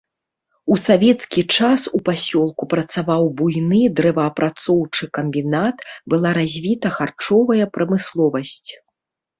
У савецкі час у пасёлку працаваў буйны дрэваапрацоўчы камбінат, была развіта харчовая прамысловасць.